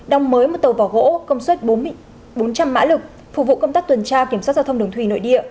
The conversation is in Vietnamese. đóng mới một tàu vỏ gỗ công suất bốn trăm linh mã lực phục vụ công tác tuần tra kiểm soát giao thông đường thủy nội địa